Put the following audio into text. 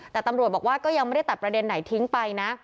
แต่ตำรวจบอกว่าก็ยังไม่ได้ตัดประเด็นไหนทิ้งไปนะ